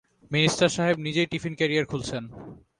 Minister সাহেব নিজেই tiffin carrier খুলছেন।